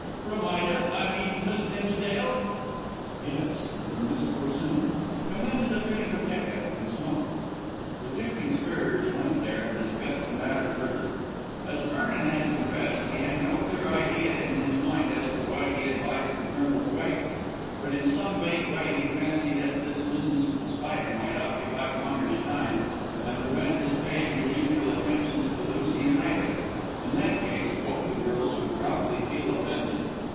"From Ida I mean from Miss Dimsdale?" "Yes, and from Miss Corsoon. Come into the pinacotheca and smoke." The two conspirators went there and discussed the matter further. As Vernon had confessed, he had no clear idea in his mind as to why he advised the Colonel to wait. But, in some vague way, he fancied that this business of The Spider might occupy Maunders' time and prevent his paying his usual attentions to Lucy and Ida. In that case both the girls would probably feel offended.